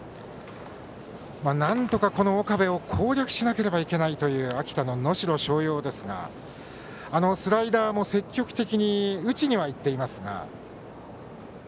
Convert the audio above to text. なんとか岡部を攻略しなければいけないという秋田の能代松陽ですがスライダーも積極的に打ちにはいっていますが。